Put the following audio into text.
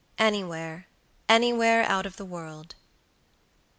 ANYWHERE, ANYWHERE OUT OF THE WORLD.